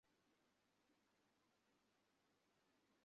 এদিকে আবার সীতারাম লোকটি অতিশয় শৌখিন, আমোদপ্রমোদটি নহিলে তাহার চলে না।